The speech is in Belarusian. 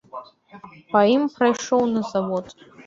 Па ім прайшоў на завод.